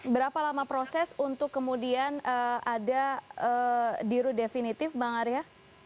berapa lama proses untuk kemudian ada diru definitif bang arya